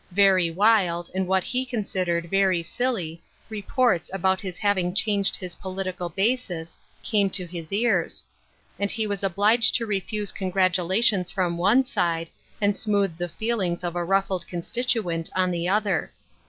Very wild, and what he considered very silly, reports about his having changed his politi ON THE MOUNT AND IN THE VALLEY. 1 89 cal basis came to his ears, and he was obliged to refuse congratulations from one side, and smooth the feeling's of a ruffled constituent on the other.